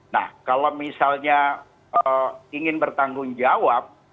nah kalau misalnya ingin bertanggung jawab